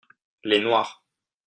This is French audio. les noirs.